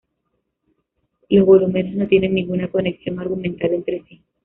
Los volúmenes no tienen ninguna conexión argumental entre sí.